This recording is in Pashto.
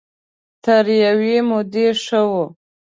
تر يوې مودې ښه وو.